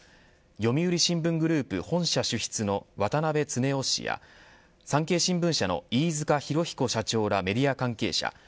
読売新聞グループ本社主筆の渡辺恒雄氏や産経新聞社の飯塚浩彦社長らメディア関係者